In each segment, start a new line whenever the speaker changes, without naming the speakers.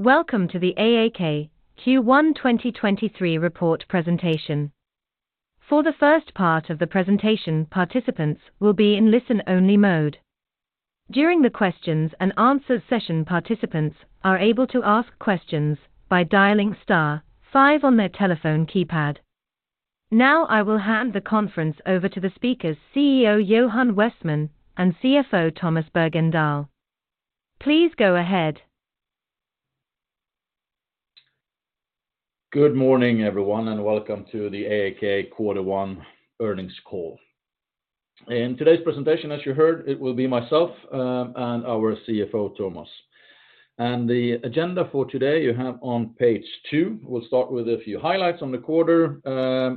Welcome to the AAK Q1 2023 report presentation. For the first part of the presentation, participants will be in listen-only mode. During the questions-and-answers session, participants are able to ask questions by dialing star five on their telephone keypad. Now, I will hand the conference over to the speakers, CEO Johan Westman and CFO Tomas Bergendahl. Please go ahead.
Good morning, everyone, and welcome to the AAK Q1 earnings call. In today's presentation, as you heard, it will be myself, and our CFO, Tomas. The agenda for today you have on page 2. We'll start with a few highlights on the quarter,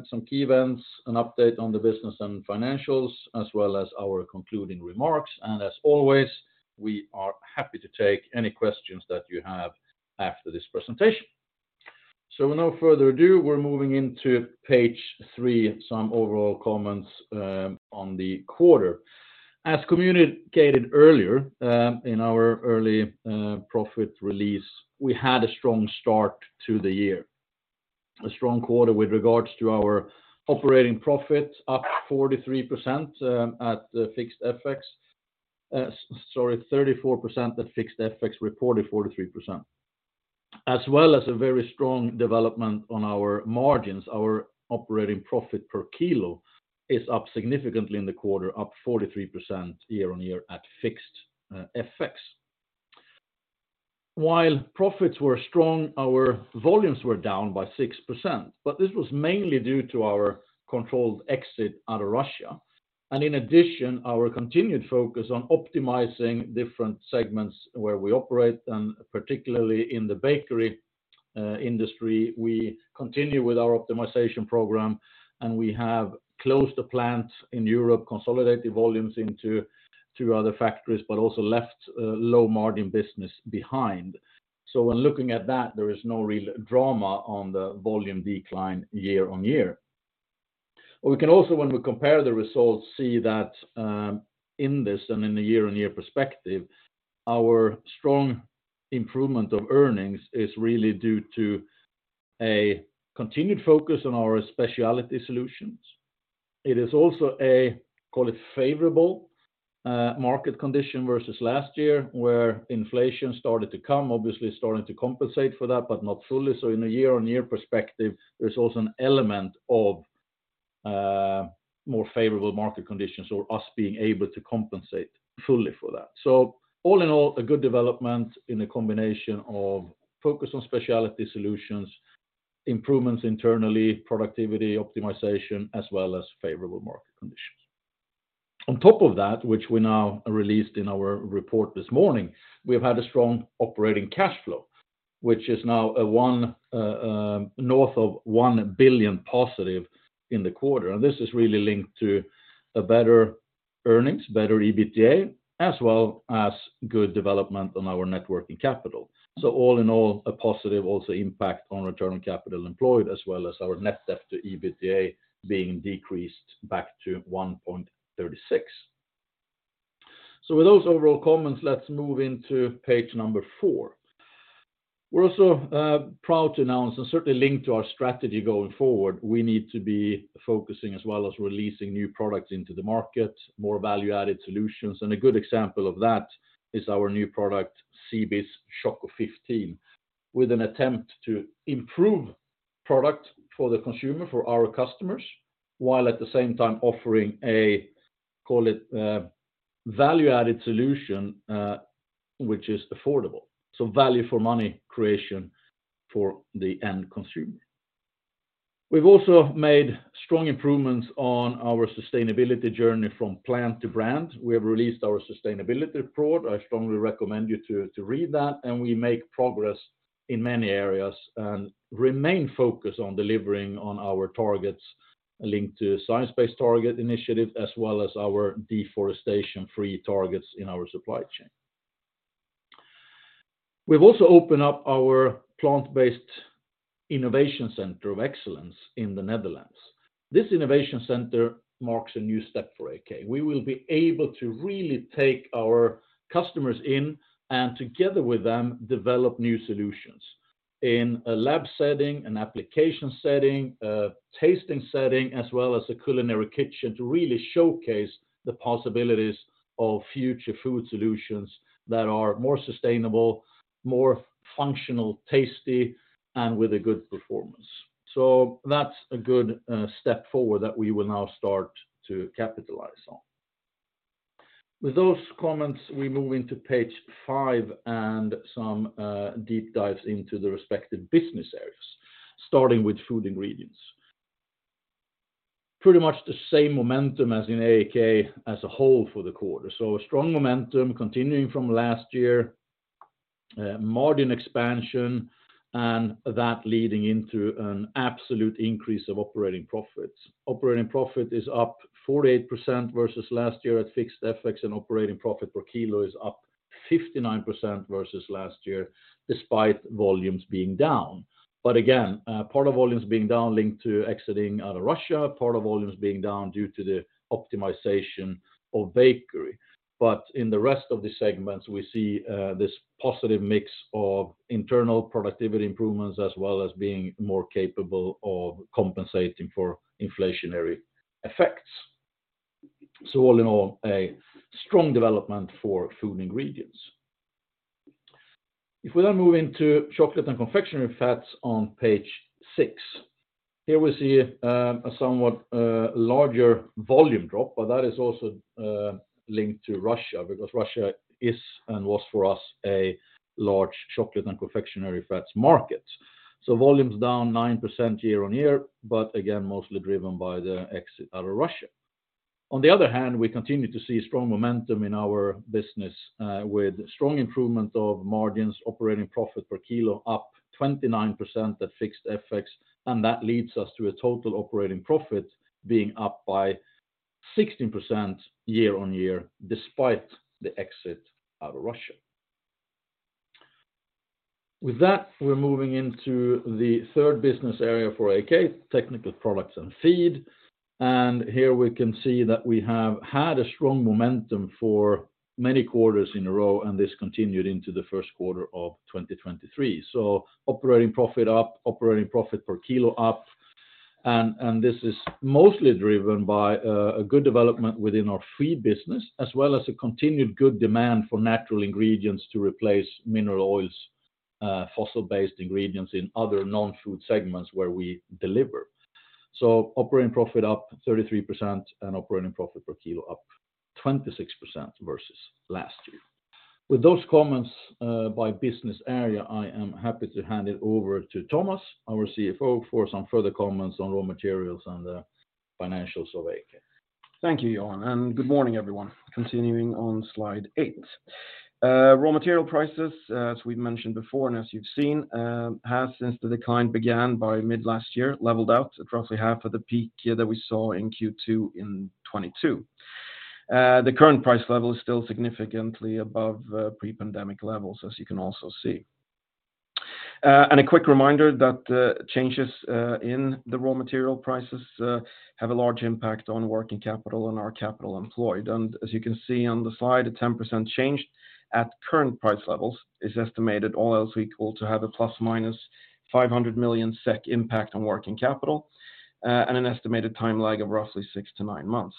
some key events, an update on the business and financials, as well as our concluding remarks. As always, we are happy to take any questions that you have after this presentation. With no further ado, we're moving into page 3, some overall comments on the quarter. As communicated earlier, in our early profit release, we had a strong start to the year. A strong quarter with regards to our operating profit up 43%, at the fixed FX. Sorry, 34% at fixed FX, reported 43%, as well as a very strong development on our margins. Our operating profit per kilo is up significantly in the quarter, up 43% year-on-year at fixed FX. While profits were strong, our volumes were down by 6%, but this was mainly due to our controlled exit out of Russia. In addition, our continued focus on optimizing different segments where we operate, particularly in the bakery industry, we continue with our optimization program, and we have closed the plant in Europe, consolidated volumes into two other factories, but also left low-margin business behind. When looking at that, there is no real drama on the volume decline year-on-year. We can also, when we compare the results, see that, in this and in the year-on-year perspective, our strong improvement of earnings is really due to a continued focus on our specialty solutions. It is also a, call it, favorable market condition versus last year, where inflation started to come, obviously starting to compensate for that, but not fully. In a year-on-year perspective, there's also an element of more favorable market conditions or us being able to compensate fully for that. All in all, a good development in a combination of focus on specialty solutions, improvements internally, productivity optimization, as well as favorable market conditions. On top of that, which we now released in our report this morning, we've had a strong operating cash flow, which is now north of +1 billion in the quarter. This is really linked to a better earnings, better EBITDA, as well as good development on our net working capital. All in all, a positive also impact on Return on capital employed, as well as our net debt to EBITDA being decreased back to 1.36. With those overall comments, let's move into page 4. We're also proud to announce and certainly linked to our strategy going forward, we need to be focusing as well as releasing new products into the market, more value-added solutions. A good example of that is our new product, CEBES Choco 15, with an attempt to improve product for the consumer, for our customers, while at the same time offering a, call it, a value-added solution which is affordable. Value for money creation for the end consumer. We've also made strong improvements on our sustainability journey from plant to brand. We have released our sustainability report. I strongly recommend you to read that, we make progress in many areas and remain focused on delivering on our targets linked to Science-Based Targets initiative as well as our deforestation-free targets in our supply chain. We've also opened up our plant-based innovation center of excellence in the Netherlands. This innovation center marks a new step for AAK. We will be able to really take our customers in and together with them, develop new solutions in a lab setting, an application setting, a tasting setting, as well as a culinary kitchen to really showcase the possibilities of future food solutions that are more sustainable, more functional, tasty, and with a good performance. That's a good step forward that we will now start to capitalize on. With those comments, we move into page 5 and some deep dives into the respective business areas, starting with Food Ingredients. Pretty much the same momentum as in AAK as a whole for the quarter. A strong momentum continuing from last year, margin expansion, and that leading into an absolute increase of operating profits. Operating profit is up 48% versus last year at fixed FX, and operating profit per kilo is up 59% versus last year, despite volumes being down. Again, part of volumes being down linked to exiting out of Russia, part of volumes being down due to the optimization of bakery. In the rest of the segments, we see this positive mix of internal productivity improvements as well as being more capable of compensating for inflationary effects. All in all, a strong development for Food Ingredients. If we then move into Chocolate & Confectionery Fats on page 6, here we see a somewhat larger volume drop, but that is also linked to Russia because Russia is and was for us a large Chocolate & Confectionery Fats market. Volumes down 9% year-on-year, but again, mostly driven by the exit out of Russia. On the other hand, we continue to see strong momentum in our business, with strong improvement of margins, operating profit per kilo up 29% at fixed FX, and that leads us to a total operating profit being up by 16% year-on-year despite the exit out of Russia. With that, we're moving into the third business area for AAK, Technical Products & Feed. Here we can see that we have had a strong momentum for many quarters in a row, this continued into the first quarter of 2023. Operating profit up, operating profit per kilo up, and this is mostly driven by a good development within our feed business as well as a continued good demand for natural ingredients to replace mineral oils, fossil-based ingredients in other non-food segments where we deliver. Operating profit up 33% and operating profit per kilo up 26% versus last year. With those comments, by business area, I am happy to hand it over to Tomas, our CFO, for some further comments on raw materials and the financials of AAK.
Thank you, Johan. Good morning, everyone. Continuing on slide 8. Raw material prices, as we've mentioned before and as you've seen, have since the decline began by mid-last year, leveled out at roughly half of the peak year that we saw in Q2 in 2022. The current price level is still significantly above pre-pandemic levels, as you can also see. A quick reminder that changes in the raw material prices have a large impact on working capital and our capital employed. As you can see on the slide, a 10% change at current price levels is estimated all else equal to have a ±500 million SEK impact on working capital and an estimated time lag of roughly 6-9 months.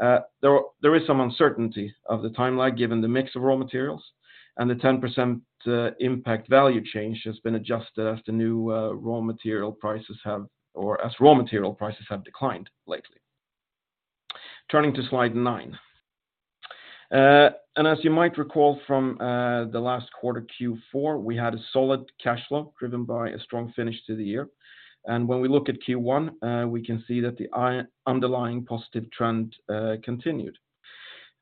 There is some uncertainty of the time lag given the mix of raw materials, and the 10%, impact value change has been adjusted as the new, raw material prices have or as raw material prices have declined lately. Turning to slide 9. As you might recall from, the last quarter Q4, we had a solid cash flow driven by a strong finish to the year. When we look at Q1, we can see that the underlying positive trend continued.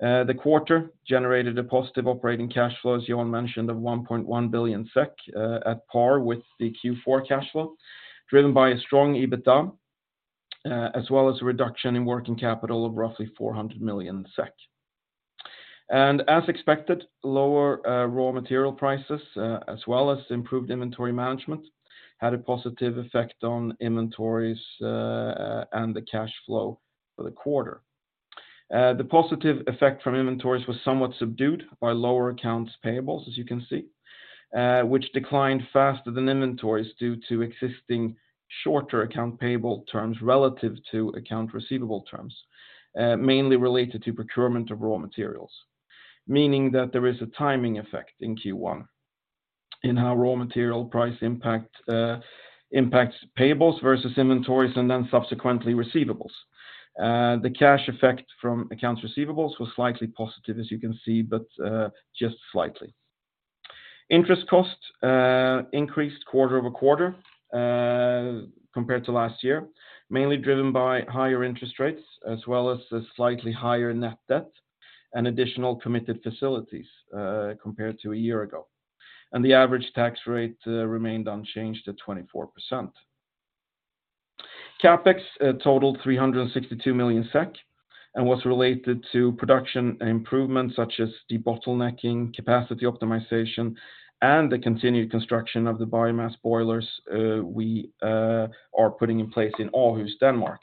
The quarter generated a positive operating cash flow, as Johan mentioned, of 1.1 billion SEK, at par with the Q4 cash flow, driven by a strong EBITDA, as well as a reduction in working capital of roughly 400 million SEK. As expected, lower raw material prices, as well as improved inventory management, had a positive effect on inventories, and the cash flow for the quarter. The positive effect from inventories was somewhat subdued by lower accounts payables, as you can see, which declined faster than inventories due to existing shorter account payable terms relative to account receivable terms, mainly related to procurement of raw materials. Meaning that there is a timing effect in Q1 in how raw material price impacts payables versus inventories, and then subsequently receivables. The cash effect from accounts receivables was slightly positive, as you can see, but just slightly. Interest costs increased quarter-over-quarter, compared to last year, mainly driven by higher interest rates as well as a slightly higher net debt and additional committed facilities, compared to a year ago. The average tax rate remained unchanged at 24%. CapEx totaled 362 million SEK and was related to production improvements such as debottlenecking, capacity optimization, and the continued construction of the biomass boilers we are putting in place in Aarhus, Denmark,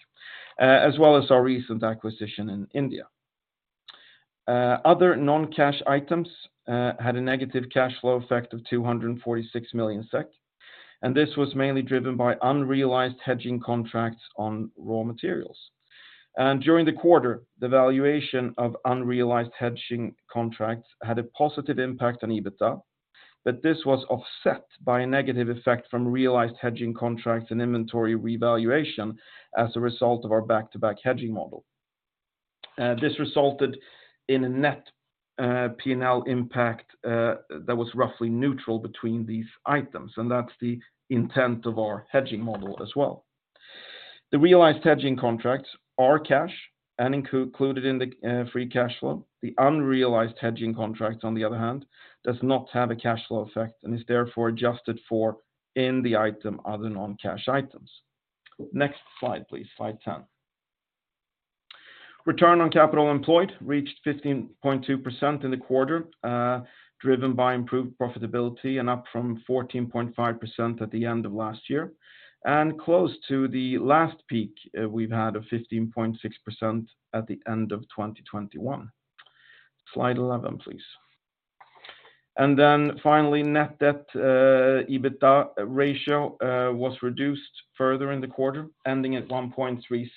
as well as our recent acquisition in India. Other non-cash items had a negative cash flow effect of 246 million SEK, and this was mainly driven by unrealized hedging contracts on raw materials. During the quarter, the valuation of unrealized hedging contracts had a positive impact on EBITDA, but this was offset by a negative effect from realized hedging contracts and inventory revaluation as a result of our back-to-back hedging model. This resulted in a net P&L impact that was roughly neutral between these items, and that's the intent of our hedging model as well. The realized hedging contracts are cash and included in the free cash flow. The unrealized hedging contract, on the other hand, does not have a cash flow effect and is therefore adjusted for in the item other non-cash items. Next slide, please. Slide 10. Return on capital employed reached 15.2% in the quarter, driven by improved profitability and up from 14.5% at the end of last year, and close to the last peak we've had of 15.6% at the end of 2021. Slide 11, please. Finally, net debt to EBITDA ratio was reduced further in the quarter, ending at 1.36,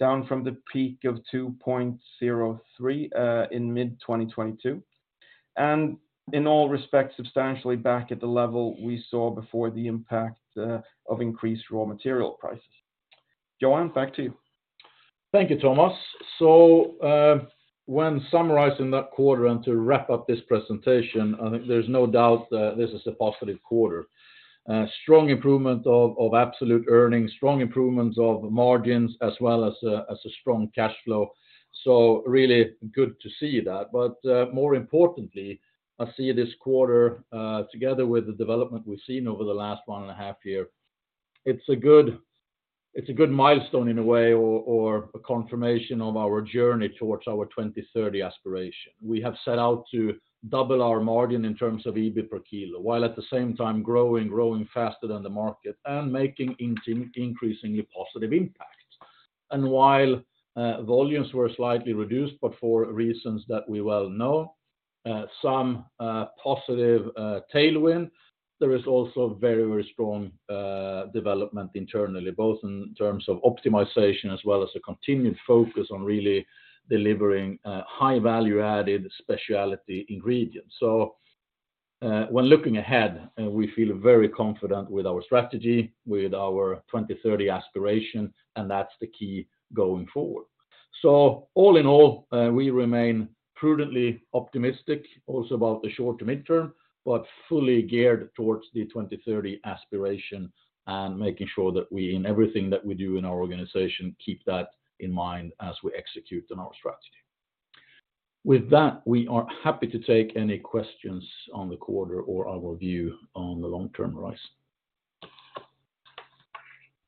down from the peak of 2.03 in mid-2022. In all respects, substantially back at the level we saw before the impact of increased raw material prices. Johan, back to you.
Thank you, Tomas. When summarizing that quarter and to wrap up this presentation, I think there's no doubt that this is a positive quarter. Strong improvement of absolute earnings, strong improvements of margins, as well as a strong cash flow. Really good to see that. More importantly, I see this quarter together with the development we've seen over the last 1.5 years, it's a good milestone in a way or a confirmation of our journey towards our 2030 aspiration. We have set out to double our margin in terms of EBIT per kilo, while at the same time growing faster than the market and making increasingly positive impacts. While volumes were slightly reduced, but for reasons that we well know, some positive tailwind, there is also very, very strong development internally, both in terms of optimization as well as a continued focus on really delivering high value-added specialty ingredients. When looking ahead, we feel very confident with our strategy, with our 2030 aspiration, and that's the key going forward. All in all, we remain prudently optimistic also about the short to mid-term, but fully geared towards the 2030 aspiration and making sure that we, in everything that we do in our organization, keep that in mind as we execute on our strategy. With that, we are happy to take any questions on the quarter or our view on the long-term rise.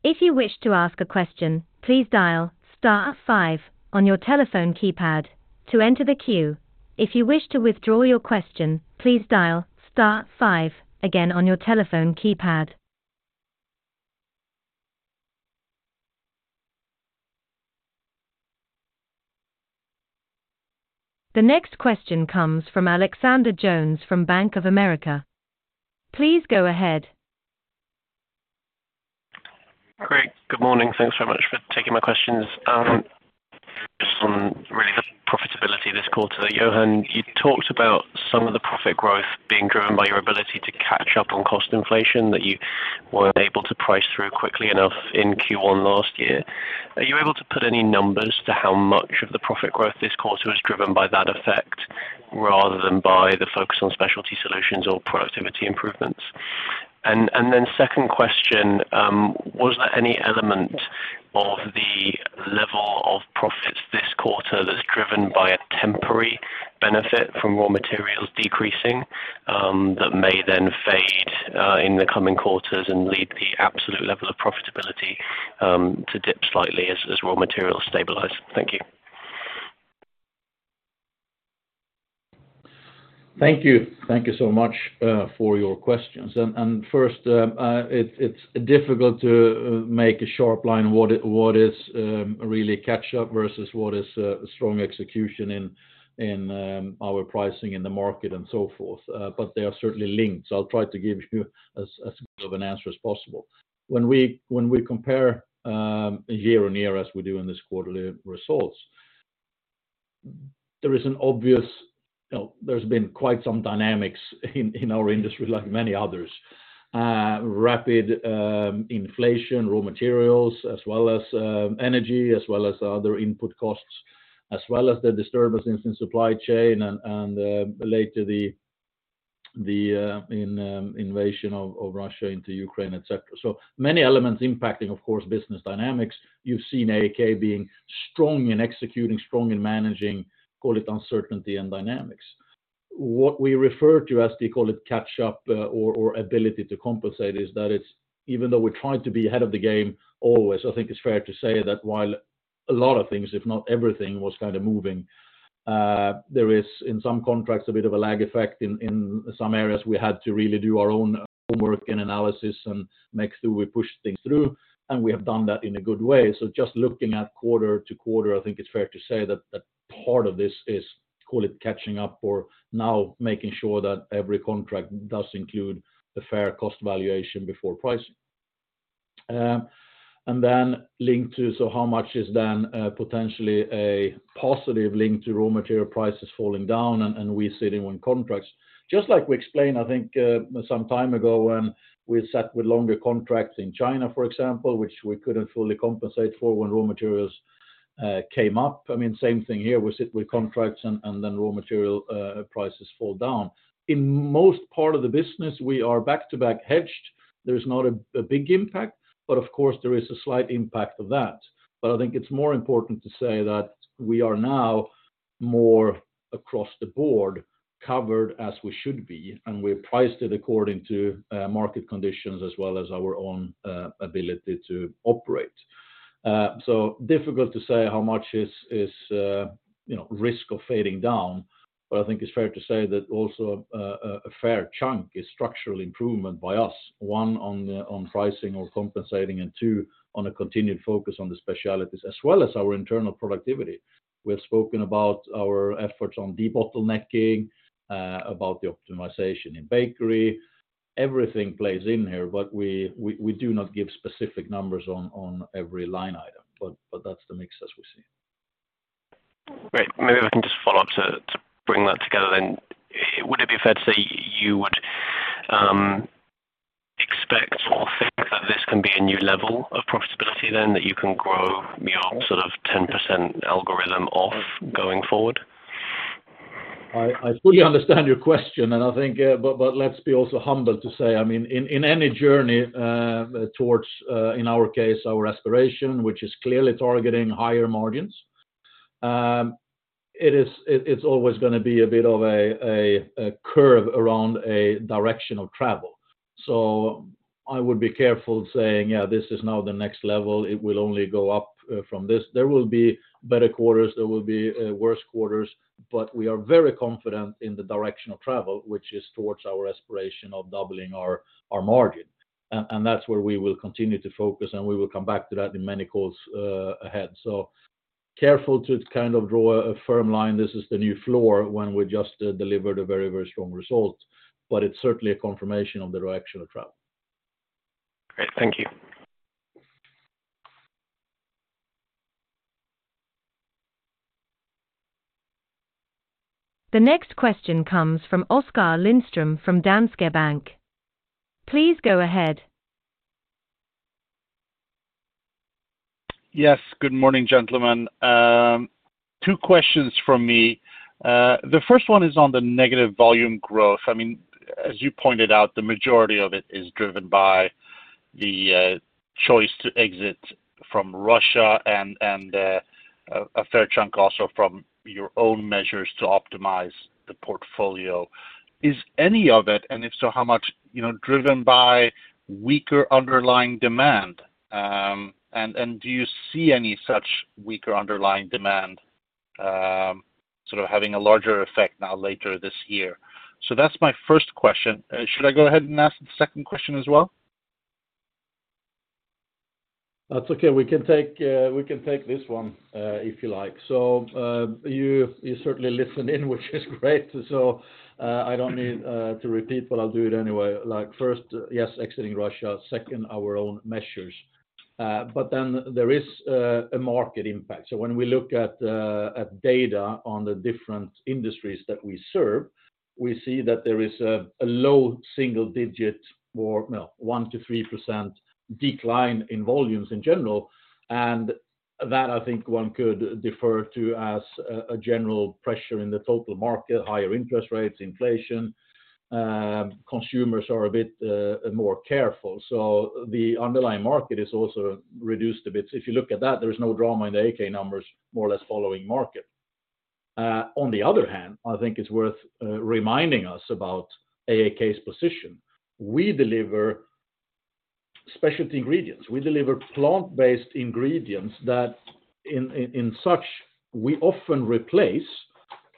If you wish to ask a question, please dial star five on your telephone keypad to enter the queue. If you wish to withdraw your question, please dial star five again on your telephone keypad. The next question comes from Alexander Jones from Bank of America. Please go ahead.
Great. Good morning. Thanks very much for taking my questions. Just on really the profitability this quarter. Johan, you talked about some of the profit growth being driven by your ability to catch up on cost inflation that you weren't able to price through quickly enough in Q1 last year. Are you able to put any numbers to how much of the profit growth this quarter was driven by that effect rather than by the focus on specialty solutions or productivity improvements? Second question, was there any element of the level of profits this quarter that's driven by a temporary benefit from raw materials decreasing, that may then fade in the coming quarters and lead the absolute level of profitability to dip slightly as raw materials stabilize? Thank you.
Thank you. Thank you so much, for your questions. First, it's difficult to make a sharp line what is really catch up versus what is strong execution in our pricing in the market and so forth. They are certainly linked. I'll try to give you as good of an answer as possible. When we compare, year on year, as we do in this quarterly results, there is an obvious... You know, there's been quite some dynamics in our industry, like many others. Rapid inflation, raw materials, as well as energy, as well as other input costs, as well as the disturbances in supply chain and later the invasion of Russia into Ukraine, etc. Many elements impacting, of course, business dynamics. You've seen AAK being strong in executing, strong in managing, call it uncertainty and dynamics. What we refer to as the, call it catch up, or ability to compensate, is that it's even though we try to be ahead of the game always, I think it's fair to say that while a lot of things, if not everything, was kind of moving, there is in some contracts a bit of a lag effect in some areas we had to really do our own homework and analysis and make sure we push things through, and we have done that in a good way. Just looking at quarter to quarter, I think it's fair to say that part of this is, call it catching up or now making sure that every contract does include the fair cost valuation before pricing. Then linked to, how much is then potentially a positive link to raw material prices falling down and we sit in on contracts. Like we explained, I think, some time ago when we sat with longer contracts in China, for example, which we couldn't fully compensate for when raw materials came up. I mean, same thing here. We sit with contracts and then raw material prices fall down. In most part of the business, we are back-to-back hedged. There's not a big impact, but of course, there is a slight impact of that. I think it's more important to say that we are now more across the board covered as we should be, and we priced it according to market conditions as well as our own ability to operate. Difficult to say how much is, you know, risk of fading down. I think it's fair to say that also a fair chunk is structural improvement by us, one on pricing or compensating, and two on a continued focus on the specialties as well as our internal productivity. We've spoken about our efforts on debottlenecking, about the optimization in bakery. Everything plays in here, but we do not give specific numbers on every line item, but that's the mix as we see.
Great. Maybe I can just follow up to bring that together then. Would it be fair to say you would expect or think that this can be a new level of profitability then that you can grow your sort of 10% algorithm off going forward?
I fully understand your question, and I think, but let's be also humble to say, I mean, in any journey, towards, in our case, our aspiration, which is clearly targeting higher margins, it's always gonna be a bit of a curve around a direction of travel. I would be careful saying, "Yeah, this is now the next level. It will only go up from this." There will be better quarters, there will be worse quarters, but we are very confident in the direction of travel, which is towards our aspiration of doubling our margin. That's where we will continue to focus, and we will come back to that in many calls ahead. Careful to kind of draw a firm line, "This is the new floor," when we just delivered a very, very strong result. It's certainly a confirmation of the direction of travel.
Great. Thank you.
The next question comes from Oskar Lindström from Danske Bank. Please go ahead.
Yes. Good morning, gentlemen. two questions from me. The first one is on the negative volume growth. I mean, as you pointed out, the majority of it is driven by the choice to exit from Russia and a fair chunk also from your own measures to optimize the portfolio. Is any of it, and if so, how much, you know, driven by weaker underlying demand? Do you see any such weaker underlying demand sort of having a larger effect now later this year? That's my first question. Should I go ahead and ask the second question as well?
That's okay. We can take, we can take this one, if you like. You certainly listened in, which is great. I don't need to repeat, but I'll do it anyway. Like, first, yes, exiting Russia, second, our own measures. There is a market impact. When we look at data on the different industries that we serve, we see that there is a low single digit or, no, 1%-3% decline in volumes in general. That I think one could defer to as a general pressure in the total market, higher interest rates, inflation. Consumers are a bit more careful. The underlying market is also reduced a bit. If you look at that, there is no drama in the AAK numbers, more or less following market. On the other hand, I think it's worth reminding us about AAK's position. We deliver specialty ingredients. We deliver plant-based ingredients that in such, we often replace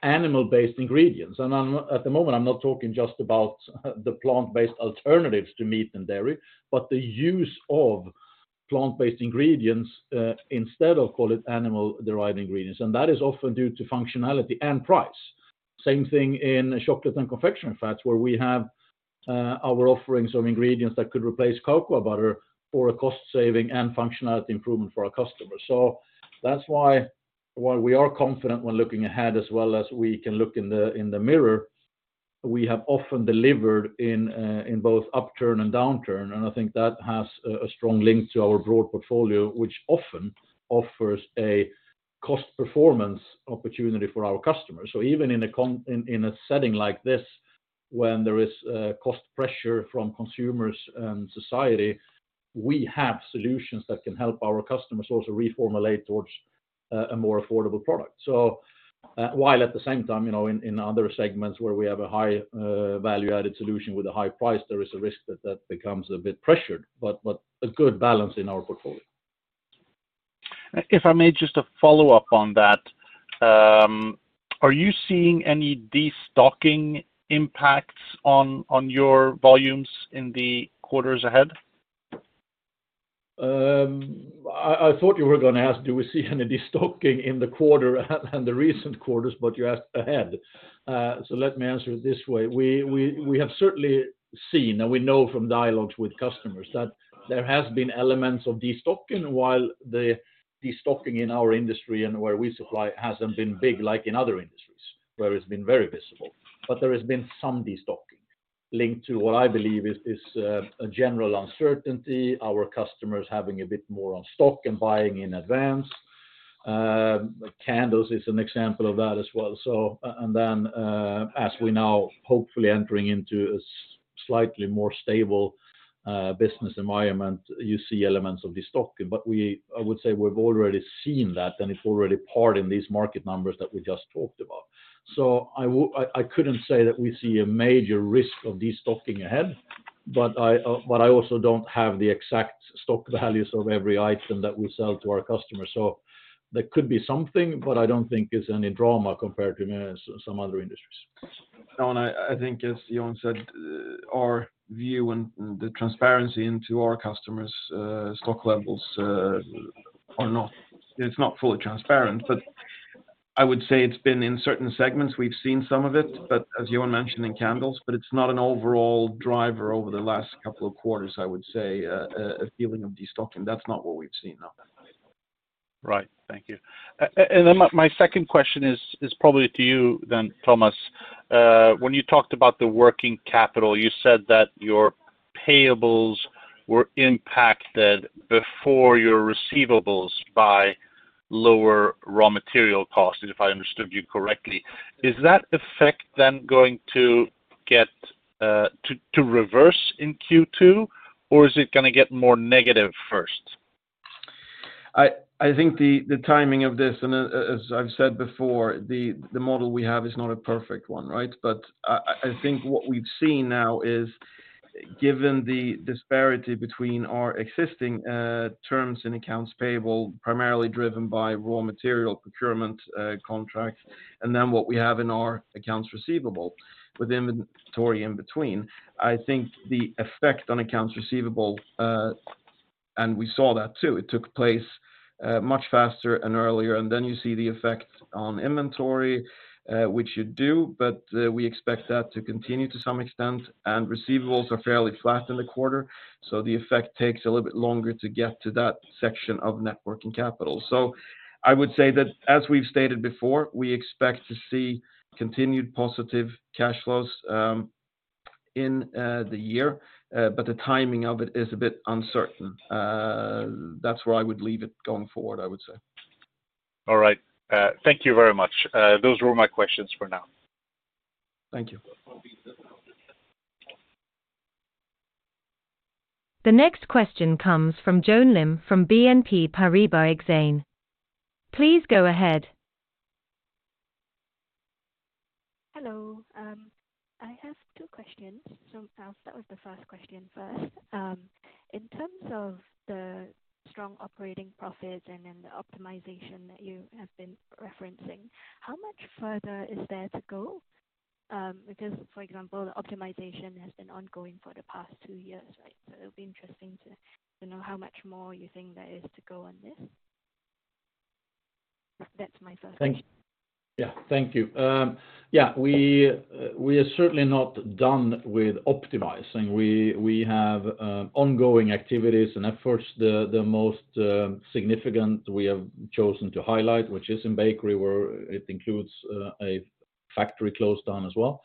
animal-based ingredients. At the moment, I'm not talking just about the plant-based alternatives to meat and dairy, but the use of plant-based ingredients instead of, call it animal-derived ingredients. That is often due to functionality and price. Same thing in Chocolate & Confectionery Fats, where we have our offerings of ingredients that could replace cocoa butter for a cost saving and functionality improvement for our customers. That's why we are confident when looking ahead as well as we can look in the mirror. We have often delivered in both upturn and downturn, I think that has a strong link to our broad portfolio, which often offers a cost performance opportunity for our customers. Even in a setting like this, when there is cost pressure from consumers and society, we have solutions that can help our customers also reformulate towards a more affordable product. While at the same time, you know, in other segments where we have a high value-added solution with a high price, there is a risk that that becomes a bit pressured, but a good balance in our portfolio.
If I may just a follow-up on that. Are you seeing any destocking impacts on your volumes in the quarters ahead?
I thought you were gonna ask, do we see any destocking in the quarter and the recent quarters, but you asked ahead. Let me answer it this way. We have certainly seen, and we know from dialogues with customers that there has been elements of destocking while the destocking in our industry and where we supply hasn't been big like in other industries, where it's been very visible. There has been some destocking linked to what I believe is a general uncertainty, our customers having a bit more on stock and buying in advance. candles is an example of that as well. As we now hopefully entering into a Slightly more stable business environment, you see elements of destocking. I would say we've already seen that, and it's already part in these market numbers that we just talked about. I couldn't say that we see a major risk of destocking ahead, but I also don't have the exact stock values of every item that we sell to our customers. There could be something, but I don't think it's any drama compared to some other industries.
No. I think as Johan said, our view and the transparency into our customers, stock levels are not, it's not fully transparent. I would say it's been in certain segments we've seen some of it, but as Johan mentioned in candles, but it's not an overall driver over the last couple of quarters, I would say, a feeling of destocking. That's not what we've seen, no.
Right. Thank you. Then my second question is probably to you, Tomas. When you talked about the working capital, you said that your payables were impacted before your receivables by lower raw material costs, if I understood you correctly. Is that effect then going to get to reverse in Q2, or is it gonna get more negative first?
I think the timing of this, as I've said before, the model we have is not a perfect one, right? I think what we've seen now is, given the disparity between our existing terms and accounts payable, primarily driven by raw material procurement contracts, and then what we have in our accounts receivable with inventory in between, I think the effect on accounts receivable, and we saw that, too. It took place much faster and earlier. You see the effect on inventory, which you do, but we expect that to continue to some extent. Receivables are fairly flat in the quarter. The effect takes a little bit longer to get to that section of net working capital. I would say that as we've stated before, we expect to see continued positive cash flows, in the year, but the timing of it is a bit uncertain. That's where I would leave it going forward, I would say.
All right. Thank you very much. Those were all my questions for now.
Thank you.
The next question comes from Joanne Lim from BNP Paribas Exane. Please go ahead.
Hello. I have two questions. I'll start with the first question first. In terms of the strong operating profits and then the optimization that you have been referencing, how much further is there to go? Because, for example, the optimization has been ongoing for the past two years, right? It'll be interesting to know how much more you think there is to go on this. That's my first question.
Thank you. Thank you. We are certainly not done with optimizing. We have ongoing activities and efforts. The most significant we have chosen to highlight, which is in bakery, where it includes a factory close down as well.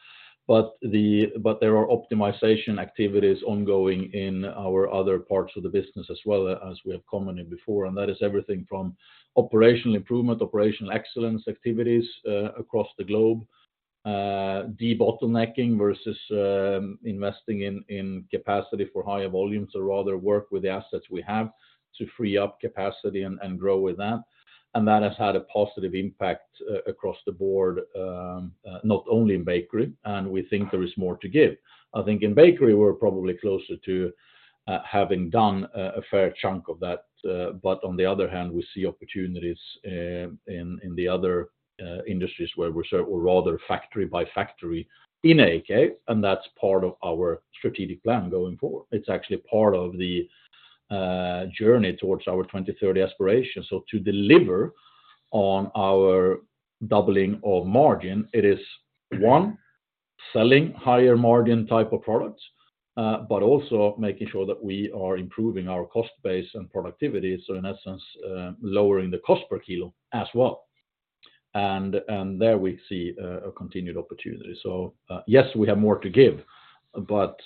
There are optimization activities ongoing in our other parts of the business as well, as we have commented before, and that is everything from operational improvement, operational excellence activities across the globe, debottlenecking versus investing in capacity for higher volumes or rather work with the assets we have to free up capacity and grow with that. That has had a positive impact across the board, not only in bakery, and we think there is more to give. I think in bakery, we're probably closer to having done a fair chunk of that, but on the other hand, we see opportunities in the other industries where we're sort of rather factory by factory in AAK, and that's part of our strategic plan going forward. It's actually part of the journey towards our 2030 aspiration. To deliver on our doubling of margin, it is, one, selling higher margin type of products, but also making sure that we are improving our cost base and productivity. In essence, lowering the cost per kilo as well. There we see a continued opportunity. Yes, we have more to give, but,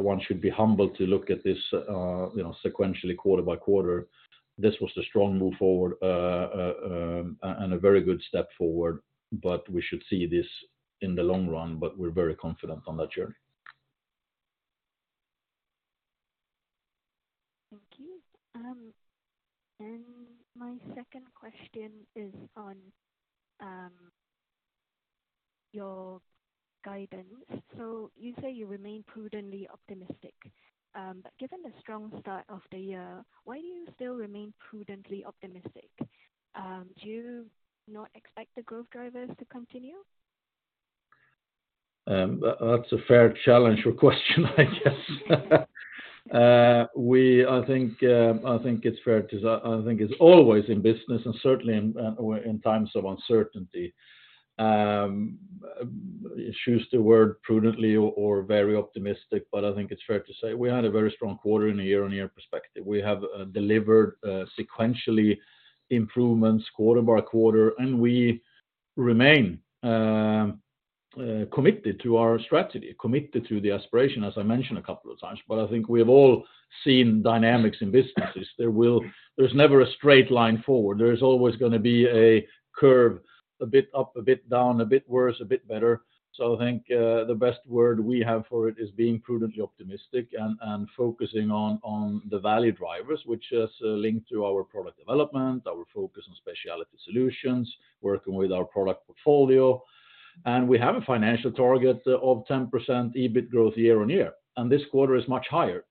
one should be humble to look at this, you know, sequentially quarter by quarter. This was a strong move forward, and a very good step forward. We should see this in the long run. We're very confident on that journey.
Thank you. My second question is on your guidance. You say you remain prudently optimistic. Given the strong start of the year, why do you still remain prudently optimistic? Do you not expect the growth drivers to continue?
That's a fair challenge or question, I guess. I think it's fair to say I think it's always in business and certainly in times of uncertainty. Choose the word prudently or very optimistic, I think it's fair to say we had a very strong quarter in a year-on-year perspective. We have delivered sequentially improvements quarter by quarter, we remain committed to our strategy, committed to the aspiration, as I mentioned a couple of times, I think we have all seen dynamics in businesses. There's never a straight line forward. There's always gonna be a curve, a bit up, a bit down, a bit worse, a bit better. I think the best word we have for it is being prudently optimistic and focusing on the value drivers, which is linked to our product development, our focus on specialty solutions, working with our product portfolio. We have a financial target of 10% EBIT growth year-on-year, and this quarter is much higher.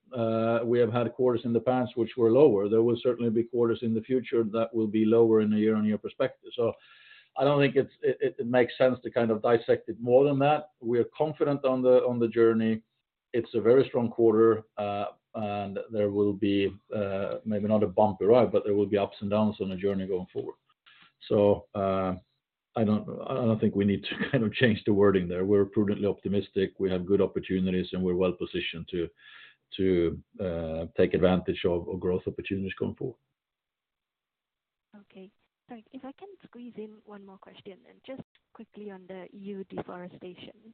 We have had quarters in the past which were lower. There will certainly be quarters in the future that will be lower in a year-on-year perspective. I don't think it makes sense to kind of dissect it more than that. We are confident on the journey. It's a very strong quarter, and there will be maybe not a bumpy ride, but there will be ups and downs on the journey going forward. I don't think we need to kind of change the wording there. We're prudently optimistic, we have good opportunities, and we're well-positioned to take advantage of growth opportunities going forward.
Okay. Sorry, if I can squeeze in one more question. Just quickly on the EU Deforestation,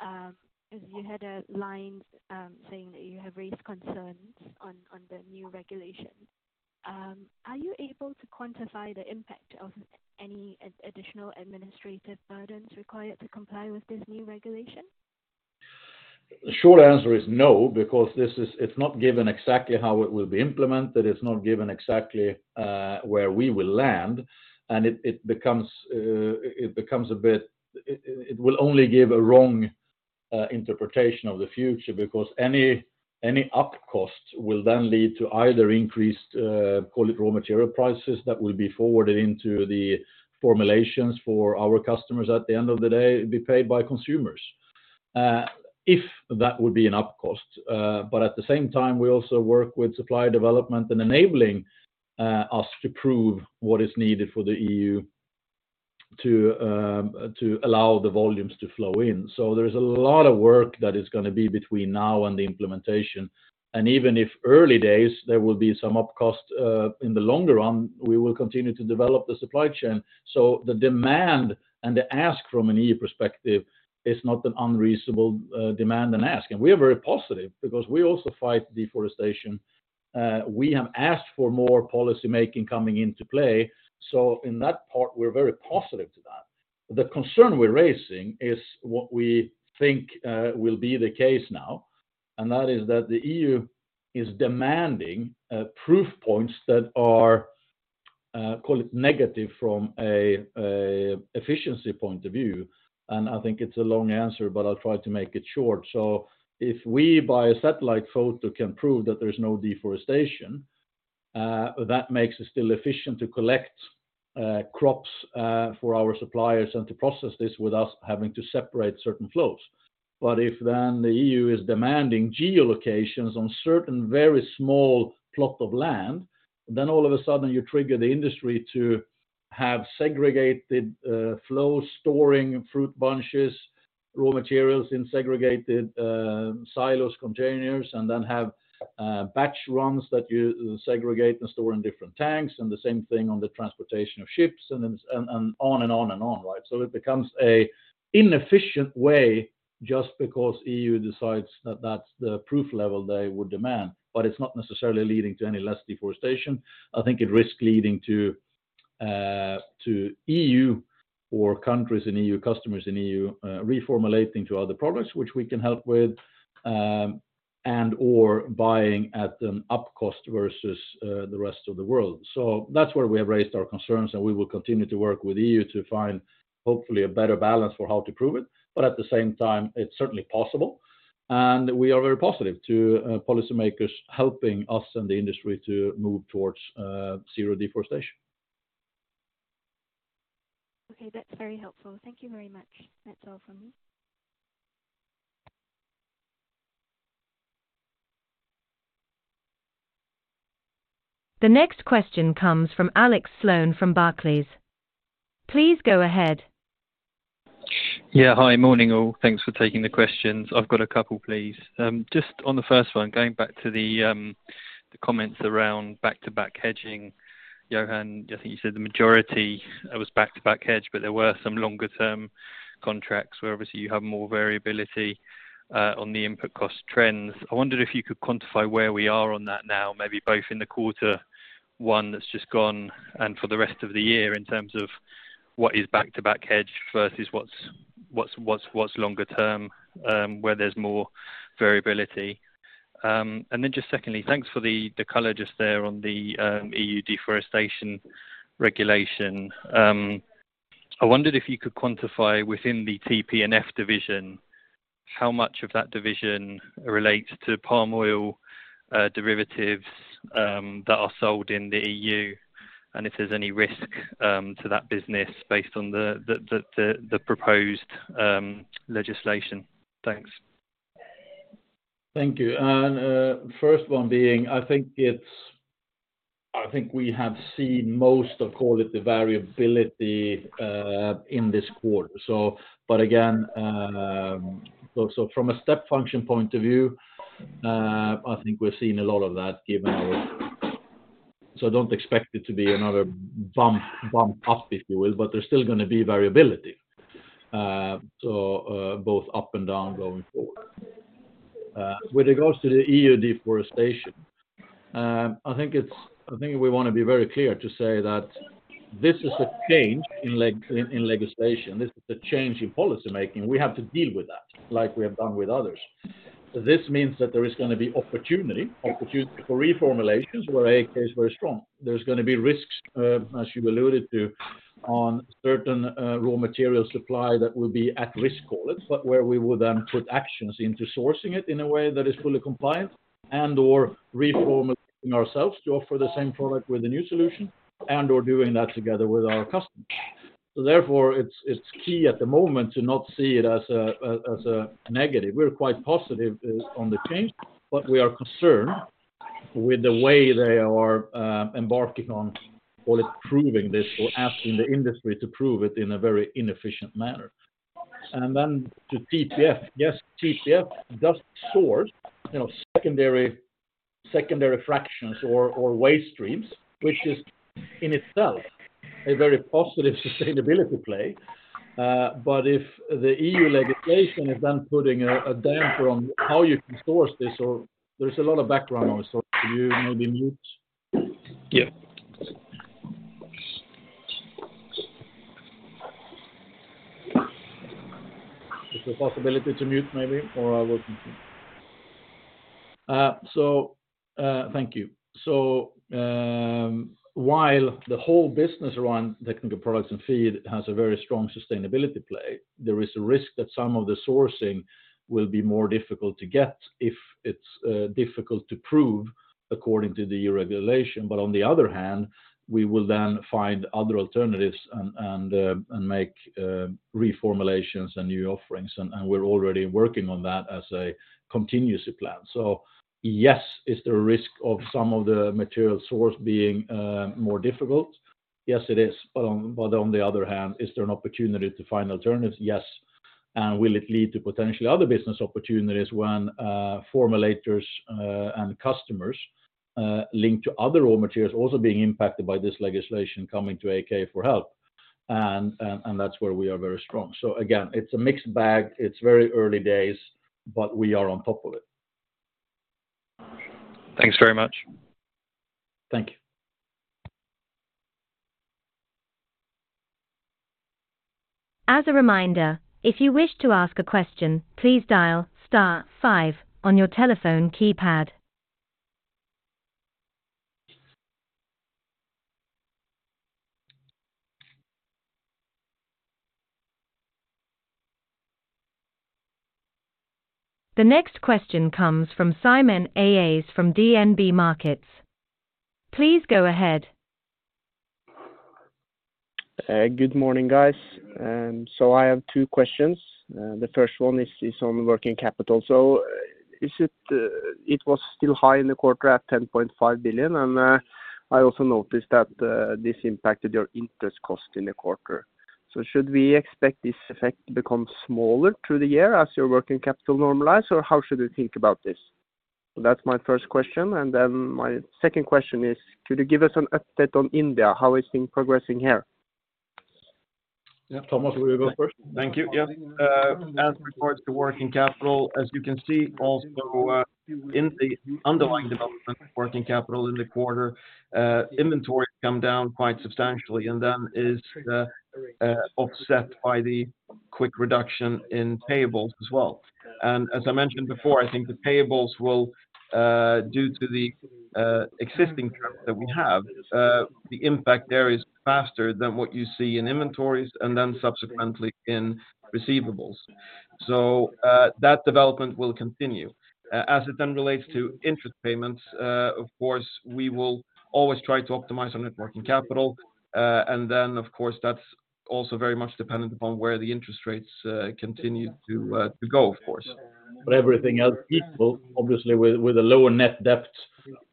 'cause you had a line saying that you have raised concerns on the new Regulation. Are you able to quantify the impact of any additional administrative burdens required to comply with this new Regulation?
The short answer is no, because this is. It's not given exactly how it will be implemented, it's not given exactly, where we will land, and it becomes, it becomes a bit. It will only give a wrong interpretation of the future, because any up cost will then lead to either increased, call it raw material prices that will be forwarded into the formulations for our customers at the end of the day, it'll be paid by consumers, if that would be an up cost. At the same time, we also work with supply development and enabling, us to prove what is needed for the EU to allow the volumes to flow in. There's a lot of work that is gonna be between now and the implementation. Even if early days there will be some up cost, in the longer run, we will continue to develop the supply chain. The demand and the ask from an EU perspective is not an unreasonable demand and ask. We are very positive because we also fight deforestation. We have asked for more policymaking coming into play. In that part, we're very positive to that. The concern we're raising is what we think will be the case now, and that is that the EU is demanding proof points that are, call it negative from a efficiency point of view. I think it's a long answer, but I'll try to make it short. If we, by a satellite photo, can prove that there's no deforestation, that makes it still efficient to collect crops for our suppliers and to process this without having to separate certain flows. If then the EU is demanding geolocations on certain very small plot of land, all of a sudden you trigger the industry to have segregated flow, storing fruit bunches, raw materials in segregated silos, containers, and then have batch runs that you segregate and store in different tanks, and the same thing on the transportation of ships and then on and on and on, right? It becomes a inefficient way just because EU decides that that's the proof level they would demand, but it's not necessarily leading to any less deforestation. I think it risks leading to to EU or countries in EU, customers in EU, reformulating to other products which we can help with, and/or buying at an up cost versus the rest of the world. That's where we have raised our concerns, and we will continue to work with EU to find hopefully a better balance for how to prove it. At the same time, it's certainly possible, and we are very positive to policymakers helping us and the industry to move towards zero deforestation.
Okay. That's very helpful. Thank you very much. That's all from me.
The next question comes from Alex Sloane from Barclays. Please go ahead.
Hi. Morning, all. Thanks for taking the questions. I've got a couple, please. Just on the first one, going back to the comments around back-to-back hedging. Johan, I think you said the majority was back-to-back hedge, but there were some longer term contracts where obviously you have more variability on the input cost trends. I wondered if you could quantify where we are on that now, maybe both in the quarter, one that's just gone, and for the rest of the year in terms of what is back-to-back hedged versus what's longer term, where there's more variability. Just secondly, thanks for the color just there on the EU Deforestation Regulation. I wondered if you could quantify within the TP&F division, how much of that division relates to palm oil derivatives that are sold in the EU, and if there's any risk to that business based on the proposed legislation. Thanks.
Thank you. First one being, I think we have seen most of, call it, the variability in this quarter. Again, so from a step function point of view, I think we've seen a lot of that given our. Don't expect it to be another bump up, if you will, but there's still gonna be variability, so, both up and down going forward. When it goes to the EU Deforestation, I think we wanna be very clear to say that this is a change in legislation. This is a change in policy making. We have to deal with that like we have done with others. This means that there is gonna be opportunity for reformulations where AAK is very strong. There's gonna be risks, as you've alluded to, on certain raw material supply that will be at risk call it, but where we will then put actions into sourcing it in a way that is fully compliant and/or reformulating ourselves to offer the same product with a new solution and/or doing that together with our customers. Therefore, it's key at the moment to not see it as a, as a negative. We're quite positive on the change. We are concerned with the way they are embarking on call it proving this or asking the industry to prove it in a very inefficient manner. And then, TP&F. Yes, TP&F does source, you know, secondary fractions or waste streams, which is in itself a very positive sustainability play. If the EU legislation is then putting a damper on how you can source this or. There's a lot of background noise. Can you maybe mute?
Yeah.
Is there a possibility to mute maybe or I wouldn't... Thank you. While the whole business around Technical Products & Feed has a very strong sustainability play, there is a risk that some of the sourcing will be more difficult to get if it's difficult to prove according to the EU regulation. On the other hand, we will then find other alternatives and make reformulations and new offerings. We're already working on that as a continuous plan. Yes, is there a risk of some of the material source being more difficult? Yes, it is. On the other hand, is there an opportunity to find alternatives? Yes. Will it lead to potentially other business opportunities when formulators and customers linked to other raw materials also being impacted by this legislation coming to AAK for help? That's where we are very strong. Again, it's a mixed bag. It's very early days, but we are on top of it.
Thanks very much.
Thank you.
As a reminder, if you wish to ask a question, please dial star five on your telephone keypad. The next question comes from Simen Aas from DNB Markets. Please go ahead.
Good morning, guys. I have two questions. The first one is on working capital. Is it... It was still high in the quarter at 10.5 billion. I also noticed that this impacted your interest cost in the quarter. Should we expect this effect to become smaller through the year as your working capital normalizes, or how should we think about this? That's my first question. My second question is, could you give us an update on India? How is things progressing here?
Yeah. Tomas, will you go first?
Thank you. Yes. As regards to working capital, as you can see also, in the underlying development of working capital in the quarter, inventory come down quite substantially, is offset by the quick reduction in payables as well. As I mentioned before, I think the payables will, due to the existing terms that we have, the impact there is faster than what you see in inventories subsequently in receivables. That development will continue. As it relates to interest payments, of course, we will always try to optimize our net working capital. Of course, that's also very much dependent upon where the interest rates continue to go, of course.
Everything else equal, obviously, with a lower net debt,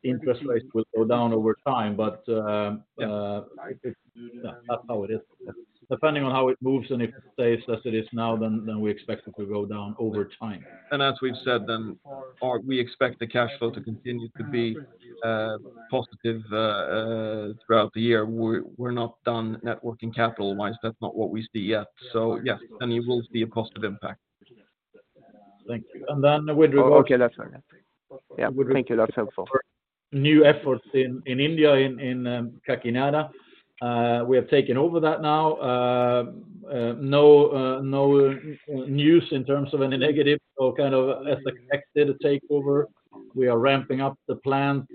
interest rates will go down over time. That's how it is. Depending on how it moves, and if it stays as it is now, then we expect it to go down over time.
As we've said then, We expect the cash flow to continue to be positive throughout the year. We're not done net working capital-wise. That's not what we see yet. Yeah, and it will be a positive impact.
Thank you. Okay. That's all. Yeah.
With regard of new efforts in India in Kakinada, we have taken over that now. No news in terms of any negative or kind of as expected a takeover. We are ramping up the plant.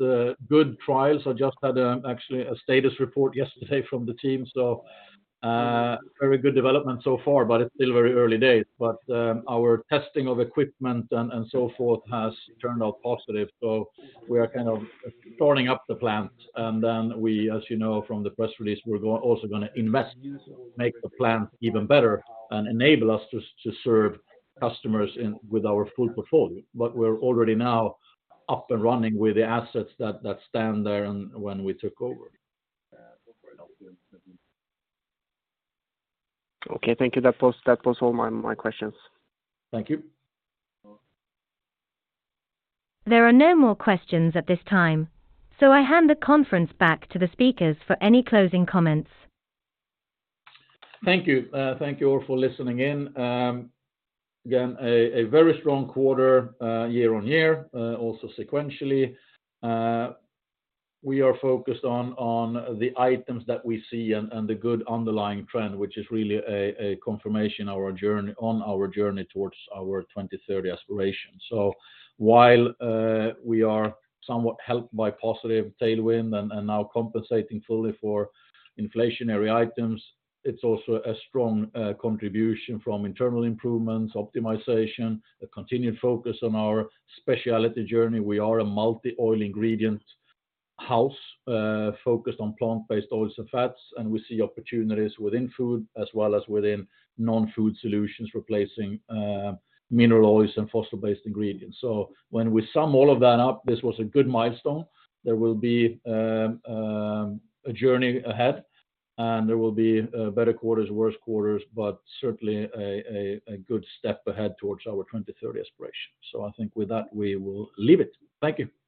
Good trials. I just had actually a status report yesterday from the team. Very good development so far, but it's still very early days. Our testing of equipment and so forth has turned out positive. We are kind of starting up the plant. We, as you know from the press release, we're also gonna invest, make the plant even better and enable us to serve customers with our full portfolio. We're already now up and running with the assets that stand there and when we took over.
Okay. Thank you. That was all my questions.
Thank you.
There are no more questions at this time. I hand the conference back to the speakers for any closing comments.
Thank you. Thank you all for listening in. Again, a very strong quarter, year on year, also sequentially. We are focused on the items that we see and the good underlying trend, which is really a confirmation on our journey towards our 2030 aspiration. While we are somewhat helped by positive tailwind and now compensating fully for inflationary items, it's also a strong contribution from internal improvements, optimization, a continued focus on our specialty journey. We are a multi-oil ingredient house, focused on plant-based oils and fats, and we see opportunities within food as well as within non-food solutions, replacing mineral oils and fossil based ingredients. When we sum all of that up, this was a good milestone. There will be a journey ahead. There will be better quarters, worse quarters. Certainly a good step ahead towards our 2030 aspiration. I think with that, we will leave it. Thank you.